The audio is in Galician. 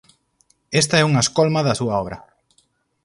Esta é unha escolma da súa obra.